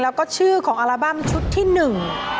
แล้วก็ชื่อของอัลบั้มชุดที่หนึ่ง